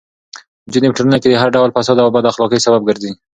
نجونې په ټولنه کې د هر ډول فساد او بد اخلاقۍ سبب ګرځي.